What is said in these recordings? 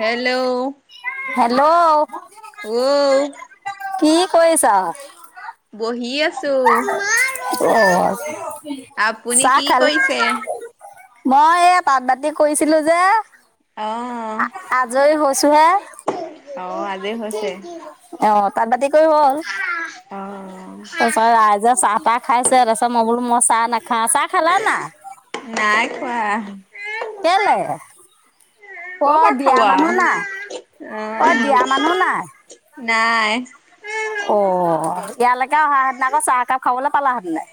Hello hello অও কি কৰিছা বহি আছো অ' আপুনি চাহ কি খাল কৰিছে মই এইয়া পাট বাতি কৰিছিলো যে। অ', আ আজৰি হৈছোহে অৱ। অ', আজৰি হৈছে। তাঁতবাতি কি হ'ল? অ' তচৰ ৰাইজে চাহ তাহক খাইছে তাৰ পাছত মই বোলো মই চাহ নে? ঘাচা খালা না নাই খোৱা কেলে? ক'ৰ পৰ পৰা খাব দিয়া আৰু। মানুহ নাই, ঐ অ', দিয়া মানুহ নাই। নাই অ ইয়ালৈকে অহা হেতেন আকৌ চাহ একাপ খাবলৈ পালাহেতেনে,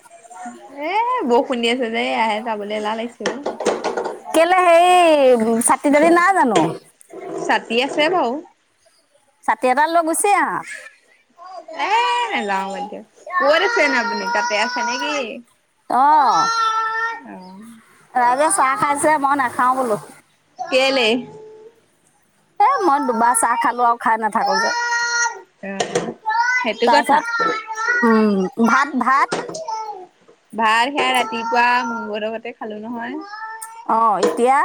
এ বৰষুণ দি আছে যে এয়াহে যাবলৈ এলাহ লাগিছে অ', কেলে সেই ছাতি দালি নাই। জানো। ছাতি আছে বাওঁ। ছাঠি এটা লৈ গুছি আহ। এ নেজাওঁ বাদ দিয়ক। ক'ত আছে নো আপুনি তাতে আছে নে কি? অ', অৱ, ৰাইজে চাহ খাইছে মই নাখ খাও বোলো। কেলে? এ মই দুবাৰ চাহ খালো আৰু খাই নাথাকো যে সেইটো কথা। তাৰপিছত উম ভাত ভাত ভাল সেয়া ৰাতিপুৱা মংগদগতে খালো নহয়। অ এতিয়া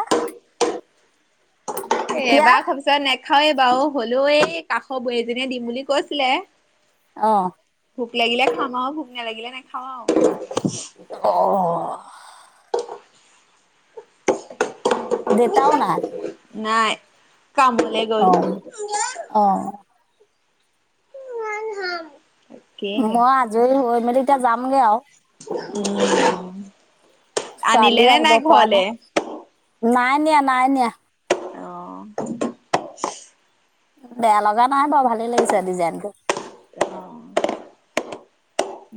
এতিয়া এবাৰ খোৱাৰ পিছত নেক্স নেখাওঁ এ বাওঁ হলো এই কাষৰ বোৱাৰীজনীয়ে দিম বুলি কৈছিলে। আহ ভোক লাগিলে খাম আও, ভোক নালাগিলে নেখাওঁ আও অ দেউতা ও না নাই। কামলে গ'ল। অ মই আজৰি হৈ মেলি এতিয়া যামগে আও উম। আনিলে নে নাই ঘৰলে নাইনিয়া নাইনিয়া। অ। বেয়া লগা নাই বাৰু ভালেই লাগিছে ডিজাইনটো। অ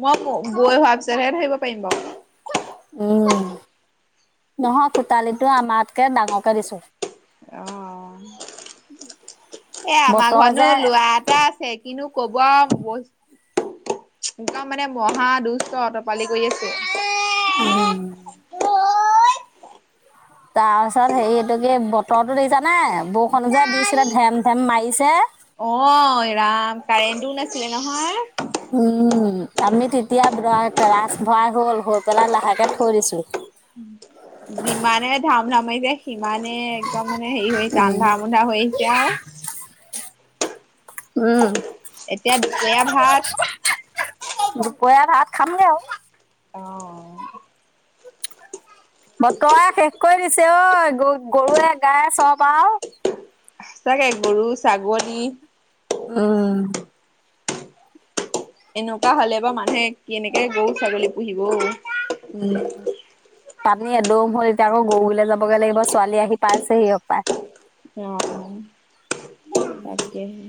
মই বৈ হোৱাৰ পিছতহে ধৰিব পাৰিম বাৰু। উম নহয় খুতালিটো আমাতকে ডাঙৰকে দিছোঁ অ। [unintelligible] এ আমাৰ বতৰ ঘনো যে ল'ৰা এটা আছে। কিন্তু ক'ব আও বস্তু একদম মানে মহা দুষ্ট অতপালি কৰি আছে। উম। তাৰ পিছত হেৰি এইটো কি বতৰটো দেখিছানে বৰষুণো যে দিছিলে ধেম ধেম মাৰিছে। অ ৰাম কাৰেণটোও নাছিলে নহয়। উম আমি তেতিয়া বাৰায় তাৰাস ভৰায় হ'ল। হৈ পেলাই লাহেকে থৈ- কৰিছোঁ। যিমানে ধাম ধামেই দে। সিমানেই একদম মানে হেৰি হৈ আন্ধা মোন্ধা হৈ আহিছে আৰু। উম। এতিয়া দুপৰীয়া ভাত- দুপৰীয়া ভাত খামগে আৰু। অ' বতৰে শেষ কৰি দিছে ঐ গ গৰুৱে গাইয়ে চপ আৰু। চাগে গৰু ছাগলী। উম। এনেকুৱা হ'লে বাৰু মানুহে কেনেকে গৰু ছাগলী পুহিব অ। উম পানী এদম হ'ল এতিয়া আকৌ গৰুলে যাবগৈ লাগিব ছোৱালী আহি পাইছে সি সপাই। অহ তাকেহে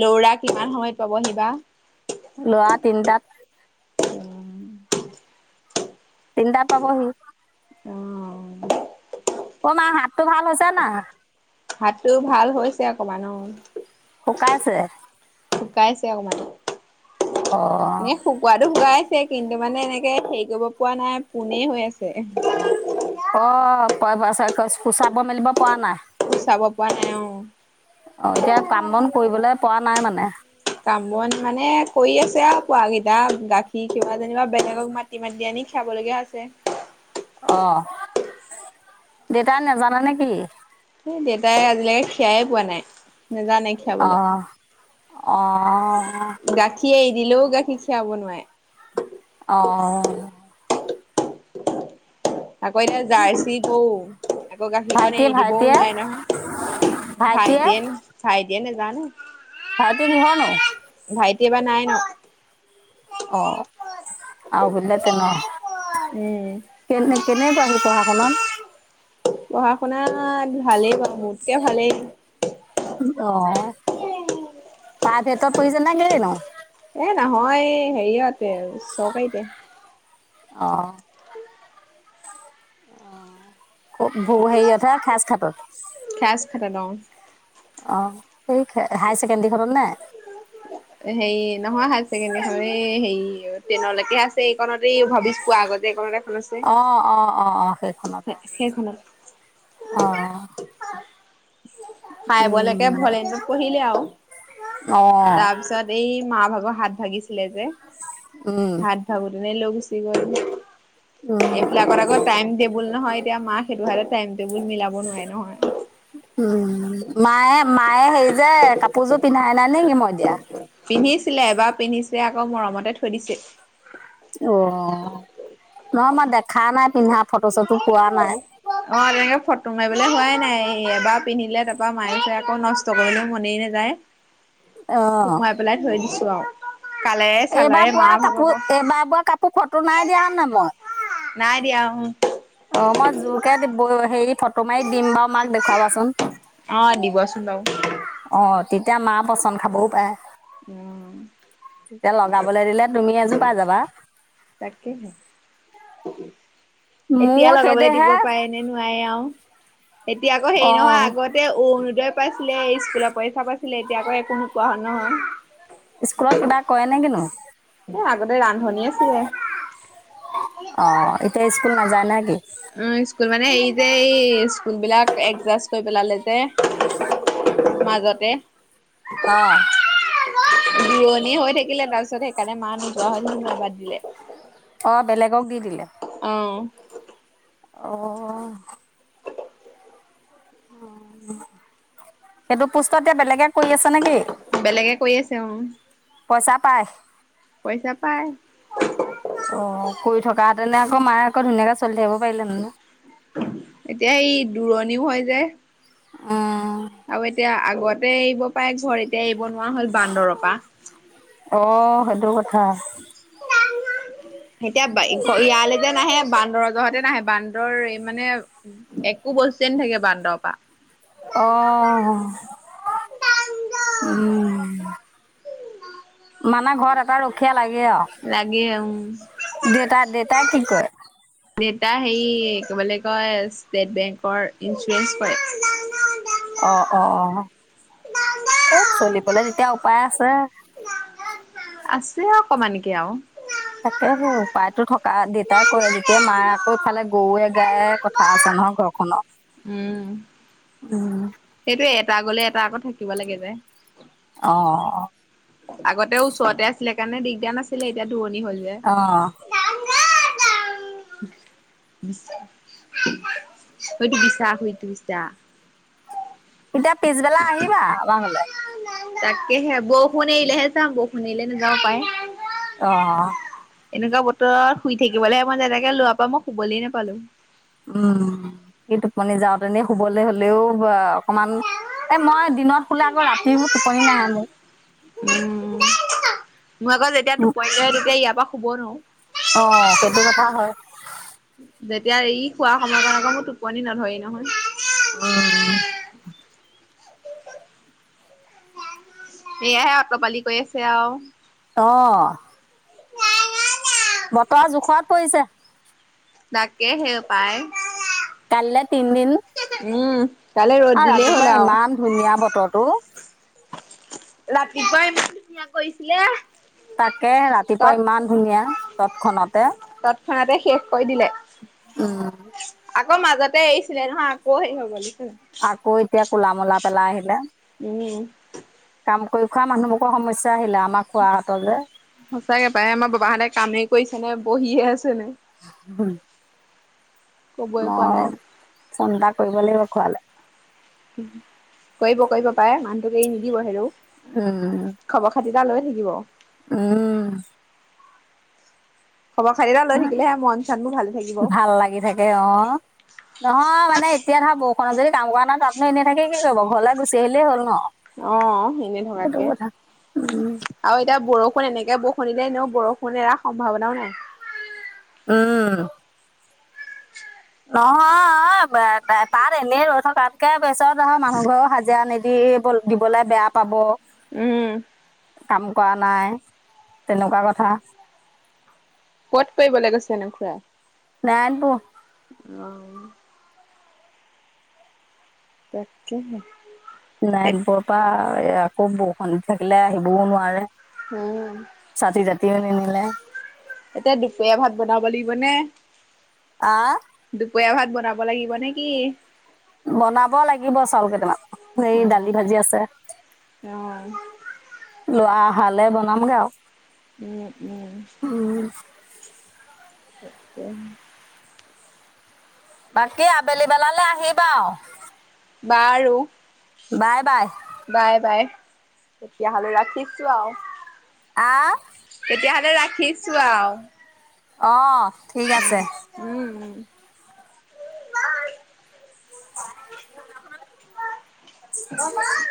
লৌৰা কিমান সময়ত পাবহি বা। ল'ৰা তিন তাত। তিন টাত পাবহি। অ' অ মা হাতটো ভাল হৈছে নাই? হাতটো ভাল হৈছে অকণ মান অ। শুকাইছে। শুকাইছে অকমান। অ'। এনে শুকুৱাতটো শুকাইছে কিন্তু- টো মানে এনেকে হেৰি কৰিব পৰা নাই পোনে হৈ আছে। অ প পোচাব মেলিব পৰা নাই। চাব পৰা নাই অ। অ এতিয়া কাম বন কৰিবলৈ পৰা- নাই মানে। কাম বন মানে কৰি আছে আৰু পোৱা কেইটা। গাখীৰ খিৱা যেনিবা বেলেগক মাতি মাতি আনি খিয়াবলগীয়া হৈছে। অ দেউতাই নেজান নেকি? এই দেউতাই আজিলৈকে খীয়াই পোৱা নাই। নেজানে খিয়াবলে। গাখীৰ এৰি অ দিলেও, গাখীৰ খীৰাব নোৱাৰে। অ আকৌ এতিয়া জাৰ্চি গৰু, আকৌ গাখীৰখন ভাইটি এৰি দিবও ভাইটিয়ে নোৱাৰে নহয়, ভাইটিয়ে ভাইটেন ভাইটি দিয়ে নেজানো ভাইটি কিহৰ নো? ভাইটি এবাৰ নাইনত। অ, আৰু বোলে তেনে উম কেনে-কেনেকুৱা সি পঢ়া শুনাত? পঢ়া শুনাত, ভালেই বাৰু মোতকে ভালেই। অ, প্ৰাইভেটত পঢ়িছে নে কি নু? এ নহয়, এই হেৰিয়াতে চৰকাৰীতে। আহ অ হেৰিতহে খাচ-খাতত খাছ-খাতত, অ হাই-ছেকেণ্ডৰীখনত নে? হেৰি, নহয় হাই-ছেকেণ্ডীখনত, এই হেৰি ট্ৰেইনলৈকে আছে, এইকণতে ভাবিছ পোৱা আগতে যে এইকণত এখন আছে অ-অ-অ-অ, সেইখনত সেইখনত। অ-অ ফ্ৰাইবলৈকে ভলেনোত পঢ়িলে আৰু তাৰপিছত, এই মা ভাগৰ হাত ভাগিছে ছিলে যে হাত ভাঙোতে লৈ গৈছিল উম অঁ এইবিলাকত আকৌ, টাইম টেবুল নহয় এতিয়া, মাক সেইটো হাতে টাইম টেবুল মিলাব নোৱাৰে নহয়। উম, মায়ে মায় [unintelligible] হেৰি যে, কাপোৰযোৰ পিন্ধাই নাই নে মই দিয়া [unintelligible] পিন্ধিছিলে, এবাৰ পিন্ধিছে, আকৌ মৰমতে থৈ দিছে। অহ, মই-মই দেখা নাই পিন্ধাত ফটো-চটো পোৱা নাই। মাৰিবলে হোৱাই নাই, এই এবাৰ পিন্ধিলে তাৰপা মায়ে চাই আকৌ নষ্ট কৰিবলৈও মনেই নাযায়। অ'। সোমোৱাই পেলাই থৈ দিছো, আৰু কালেৰে এইবাৰ চালাৰে মা বোৱা ভাগব। কাপোৰ, এইবাৰ বোৱা কাপোৰ ফটো নাই দিয়া, সেন নে মই নাই দিও অ মই জোৰকে হেৰি ফটো মাৰি দিম বাৰু মাক দেখুৱাবাচোন অ দিবচোন বাৰু অ' তেতিয়া মা পচন্দ খাবও পাৰে উম তেতিয়া লগাবলৈ দিলে তুমি এযোৰ পাই যাবা তাক [unintelligible] এতিয়া মোৰ লগাবলৈ দিব সেইদেহে পাৰে নে নোৱাৰে আ এতিয়া আকৌ হেৰি নহয় অ' আগতে অৰুণোদয় পাইছিলে স্কুলত পৰীক্ষা পাইছিলে এতিয়া আকৌ একো কোৱা হয় নহয় স্কুলত কিবা কৰে নো কিনো এ আগতে ৰান্ধনীয়ে আছিলে অ এতিয়া স্কুল নাযায় না কি উম স্কুল মানে এই যে এই স্কুল বিলাক এডজাষ্ট কৰি পেলালে যে মাজতে অঁহ ৰোৱনি হৈ থাকিলে তাৰপিছত সেইকাৰণে মা নোযোৱা হৈ থাকিলে দিলে। অ বেলেগক দি অহ অহ কিন্তু পুষ্টা এতিয়া বেলেগে কৰি আছে নেকি? বেলেগে কৰি আছে উম পইচা পায় অ কৰি থকাতেনে আকৌ মায়ে কত ধুনীয়াকে চলি থাকিব পাৰিলে মানে বিহু হয় যে অহ আৰু এতিয়া আগত আগতে এৰিপায় ঘৰ এতিয়া এৰিব নোৱাৰা হ'ল বান্দৰৰ পৰা অ সেইটো কথা এতিয়া বাৰী ইয়ালেকে আহে বান্দৰৰ জহাতে নাহে বান্দৰ এই মানে একো বস্তুৱে নাথাকে বান্দৰৰ পৰা অ উম মানে ঘৰত এটা ৰখীয়া লাগে লাগে উম। আৰু দেতা দে তাক কি কয় দেতা হেৰি কি বুলি কয়, ষ্টেট বেংকৰ ইঞ্চুৰেঞ্চ কৰে। অঁ-ঁঅ এ চলিবলে তেতিয়া উপায় আছে। আছে অকমানকে আৰু। তাকে সেই উপায়তো থকা দেতাই কৰে যেতিয়া মায়ে আকৌ ইফালে গৰুৱে গায় কথা আছে নহয় ঘৰখননৰ। উম উম! সেইটোয়ে এটা গলে এটা আকৌ থাকিব লাগে যে। অঁ আগতে ওচৰতে আছিলে কাৰণে দিগদাৰ নাছিলে, এতিয়া দু হল যে। অ', সটো বিশচাস শুইটোছা এতিয়া পিছবেলা আহিবা আমাৰ ঘৰলে। তাকেহে, বৌ বৰষুণ এৰিলে হে যাম বষুন নেৰিলে নাযাওঁ পায় অঁ! এনেকুৱা বতৰত শুই থাকিবলৈ মন যায় তাকে লোৱাপা মই শুবলৈ নোপালো। উম কি টোপনি যাওঁতেনে শুবলৈ হলেও, বা অকমান, এ মই দিনত হোলে আকৌ ৰাতিবোৰ টোপনি নাহে, মোৰ উম! মোৰ আকৌ যেতিয়া টোপনি ধৰে, তেতিয়া ইয়াৰ পৰা হোব নোওঁ। অঁ, সেইটো কথা হয়। যেতিয়া ই খোৱা সময় কন আকৌ মোৰ টোপনি নধৰি নহয়। অঁ এয়াহে অ'ত্ৰ পালি কৰি আছে আৰু। অঁ! বতৰ জোখত পৰিছে। তাকে সেই পায়! কাইলে তিনিদিন উম! কাইলৈ ৰ'দ আ দিলেই ৰাতিপুৱা হ'ল আৰু। ইমান ধুনীয়া বতৰ বতৰটো। ৰাতিপুৱা ইমান ধুনীয়া কৰিছিলে তাকে ৰাতিপুৱা তত ইমান ধুনীয়া, তৎক্ষণতে, তৎক্ষণাতে শেষ কৰি দিলে। উম! আকৌ মাজতে এৰিছিলে নহয়, আকৌ হেৰি হ গলি আকৌ এতিয়া কলা মলা পেলাই আহিলে, উম, কাম কৰি খোৱা মানুহবোৰৰ সমস্যা আহিলে আমাৰ খোৱা হাতত যে সঁচাকে পায় আমাৰ বাবাহঁতে কামেই কৰিছে নে বহিয়ে আছে নে উম! ক'বই পৰা নাই। মই চিন্তা কৰিব লাগিব খোৱালে। হু কৰিব কৰিব পাৰে মানুহটোক এৰি নিদিব হেও। উম তা লৈ থাকিব। উম। খবৰ খাতি এটা লৈ থাকিলেহে মন চনবোৰ ভালে থাকিব। ভাল লাগি থাকে অ নহয় মানে এতিয়া ধৰা বৰষুণ যদি কাম কৰা নাই তাতনো এনেই থাকে কি কৰিব ঘৰলৈ গুচি আহিলেই হ'ল ন, অ এনে সেইটো থকাতকে কথা আৰু এতিয়া বৰষুণ এনেকে ব শুনিলে এনেও বৰষুণ এৰা সম্ভাৱনাও নাই। উম। নহয় তাত এনেই ৰৈ থকাতকে বেছত আহ মানুহ ঘৰও হাজিৰা নিদিব দিবলে বেয়া পাব। উম কাম কৰা নাই তেনেকুৱা কথা। কত কৰিব লৈ‌ গৈছেনো খুড়া? নাৰায়ণপুৰ। অহ। তাকে হে। নাৰায়ণপুৰ পৰা এয়া‌‌ খুব বৰষুণ দি থাকিলে আহিবও নোৱাৰে উম ছাতি জাতিও নিনিলে এতিয়া দুপৰীয়া ভাত বনাব। বলিবনে। আহ দুপৰীয়া ভাত বন যাব লাগিব নেকি? বনাব লাগিব চাউল কেইটামান। সে অ দালি ভাজি আছে লোৱা। ভালে বনামগে আৰু ও ও তাকে বাকী আবেলি বেলালে আহিবা আৰু, বাৰু বাই বাই। বাই বাই তেতিয়াহলে ৰাখিছো আৰু আহ তেতিয়াহ'লে ৰাখিছো আউ অ ঠিক উম আছে উম উম ক উম আছে। উম।